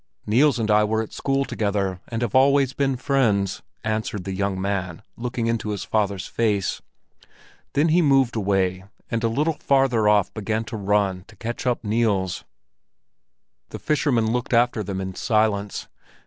"Niels and I were at school together and have always been friends," answered the young man, looking into his father's face. Then he moved away, and a little farther off began to run to catch up Niels. The fishermen looked after them in silence.